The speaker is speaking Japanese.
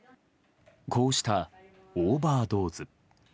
こうしたオーバードーズ。